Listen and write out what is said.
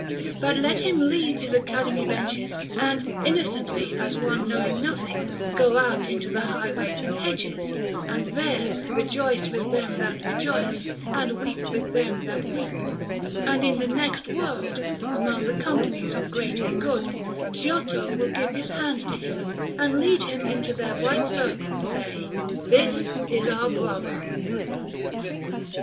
But let him leave his academy benches, and, innocently, as one knowing nothing, go out into the highways and hedges, and there rejoice with them that rejoice, and weep with them that weep; and in the next world, among the companies of the great and good, Giotto will give his hand to him, and lead him into their white circle, and say, "This is our brother."